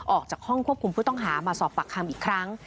ออกจากห้องควบคุมผู้ต้องหามาสอบปากคำอีกครั้ง